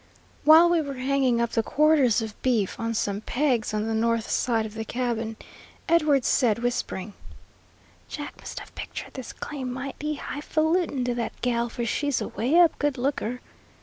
While we were hanging up the quarters of beef on some pegs on the north side of the cabin, Edwards said, whispering, "Jack must have pictured this claim mighty hifalutin to that gal, for she's a way up good looker.